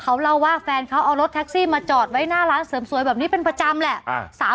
เขาเล่าว่าแฟนเขาเอารถแท็กซี่มาจอดไว้หน้าร้านเสริมสวยแบบนี้เป็นประจำแหละ